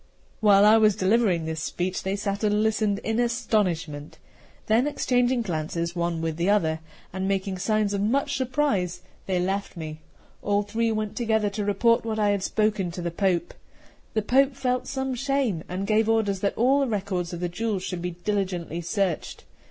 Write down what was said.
While I was delivering this speech, they sat and listened in astonishment. Then exchanging glances one with the other, and making signs of much surprise, they left me. All three went together to report what I had spoken to the Pope. The Pope felt some shame, and gave orders that all the records of the jewels should be diligently searched.